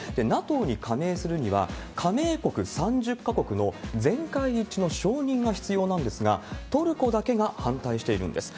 ＮＡＴＯに加盟するには、加盟国３０か国の全会一致の承認が必要なんですが、トルコだけが反対しているんです。